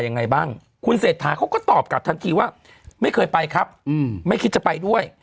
ยังไงบ้างคุณเศรษฐาเขาก็ตอบกลับทันทีว่าไม่เคยไปครับไม่คิดจะไปด้วย